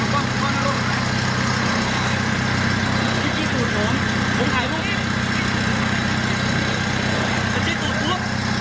มันเก่งแล้วนะแล้วเปิดไฟถวานาคาดอยู่ด้วย